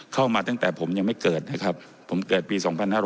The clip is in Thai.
เข้ามาตั้งแต่ผมยังไม่เกิดนะครับผมเกิดปี๒๕๖๐